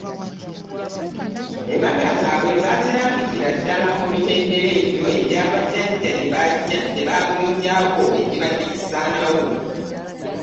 Embaga zaabwe bazirambikira ddala mu mitendera egyo bajjajjaffe gye baagunjaawo egibadde gisaanawo.